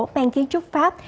mang kiến trúc pháp